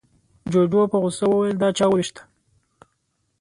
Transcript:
جوجو په غوسه وويل، دا چا ووېشته؟